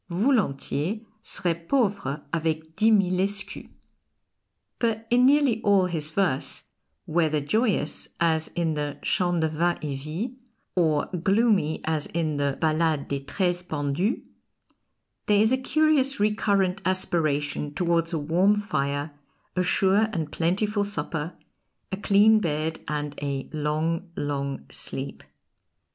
("Voulentiers serais pauvre avec dix mille escus.") But in nearly all his verse, whether joyous as in the "Chant de vin et vie," or gloomy as in the "Ballade des Treize Pendus," there is a curious recurrent aspiration towards a warm fire, a sure and plentiful supper, a clean bed, and a long, long sleep.